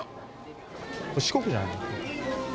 これ、四国じゃない？